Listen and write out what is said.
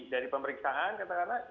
dari pemeriksaan katakanlah